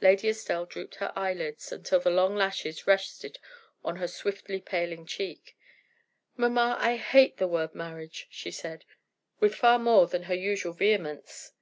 Lady Estelle drooped her eyelids until the long lashes rested on her swiftly paling cheek. "Mamma, I hate the word marriage!" she said, with far more than her usual vehemence.